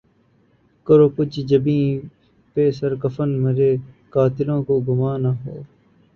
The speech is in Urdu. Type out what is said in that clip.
کرو کج جبیں پہ سر کفن مرے قاتلوں کو گماں نہ ہو